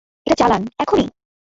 এটা চালান, এখনি!